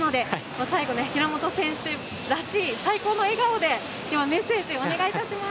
最後に平本選手らしい、最高の笑顔でメッセージをお願いします。